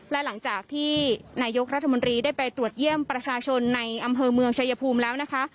และหลังจากที่นายกรัฐมนตรีได้ไปตรวจเยี่ยมประชาชนในอำเภอเมืองชายภูมิแล้วนะคะ